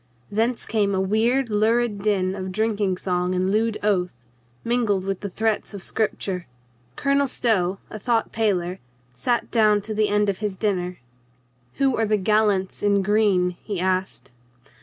Thence came a weird, lurid din of drinking song and lewd oath, mingled with the threats of scripture. Colonel Stow, a thought paler, sat down to the end of his dinner. "Who are the gallants in green?" he asked.